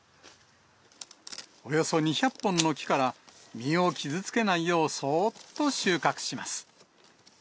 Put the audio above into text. およそ２００本の木から、実を傷つけないよう、そっと収穫します。